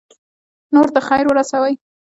نورو ته خیر ورسوئ